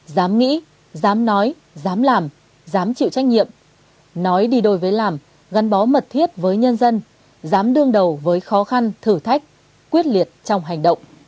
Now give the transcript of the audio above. dám nghĩ dám nói dám làm dám chịu trách nhiệm nói đi đôi với làm gắn bó mật thiết với nhân dân dám đương đầu với khó khăn thử thách quyết liệt trong hành động